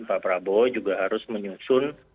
pak prabowo juga harus menyusun